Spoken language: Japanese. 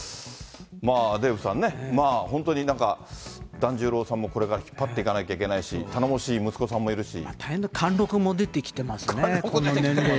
デーブさんね、まあ本当になんか、團十郎さんもこれから引っ張っていかなきゃいけないし、頼もしい息子さんもいるし。